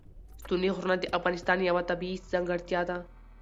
ستوني غرونه د افغانستان یوه طبیعي ځانګړتیا ده.